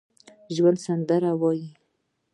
ژوندي سندرې وايي